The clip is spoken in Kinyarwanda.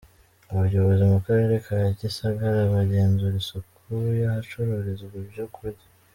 Abayobozi mu karere ka Gisagara bagenzura isuku y’ahacururizwa ibyo kurya.